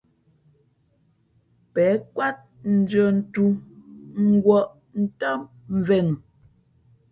Pěn kwát ndʉ̄ᾱ ntū ngwᾱʼ ntám mvēnα.